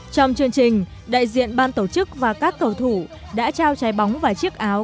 trong chương trình đại diện ban tổ chức và các cầu thủ đã trao trái bóng và chiếc áo